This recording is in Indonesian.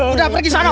udah pergi sana